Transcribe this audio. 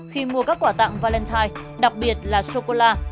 khi mua các quả tặng valentine đặc biệt là sô cô la